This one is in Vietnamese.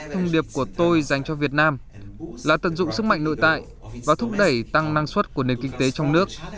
thông điệp của tôi dành cho việt nam là tận dụng sức mạnh nội tại và thúc đẩy tăng năng suất của nền kinh tế trong năm hai nghìn hai mươi bốn